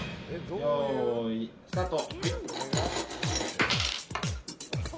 よーい、スタート。